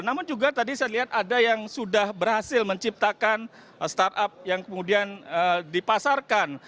namun juga tadi saya lihat ada yang sudah berhasil menciptakan startup yang kemudian dipasarkan